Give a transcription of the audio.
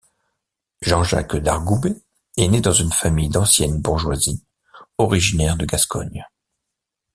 Jean-Jacques d'Argoubet est né dans une famille d'ancienne bourgeoisie originaire de Gascogne.